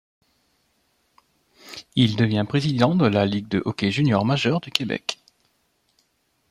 Il devient président de la Ligue de hockey junior majeur du Québec.